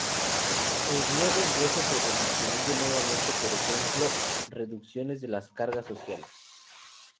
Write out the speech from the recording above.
El nuevo ingreso se redistribuye nuevamente, por ejemplo, reducciones de las cargas sociales.